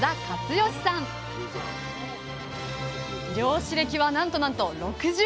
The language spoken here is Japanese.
漁師歴はなんとなんと６０年！